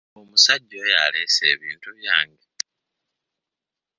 Omusajja oyo aleese ebintu byange?